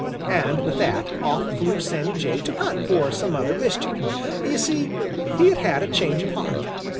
And with that, off flew Sammy Jay to hunt for some other mischief. You see, he had had a change of heart.